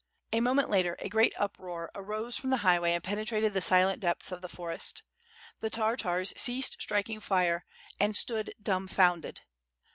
A moment later a great uproar arose from the highway and penetrated the silent depths of the forest. The Tartars ceased striking fire, and stood dumbfounded.